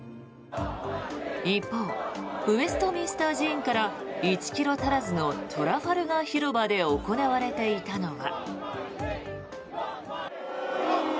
一方ウェストミンスター寺院から１ｋｍ足らずのトラファルガー広場で行われていたのは。